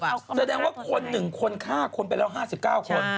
แสดงว่าคน๑คนฆ่าคนไปแล้ว๕๙คน